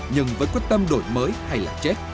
nhưng với quyết tâm đổi mới hay là chết